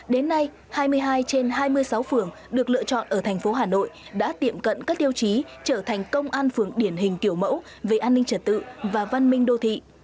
đến nay hai mươi hai trên hai mươi sáu phường được lựa chọn ở thành phố hà nội đã tiệm cận các tiêu chí trở thành công an phường điển hình kiểu mẫu về an ninh trật tự và văn minh đô thị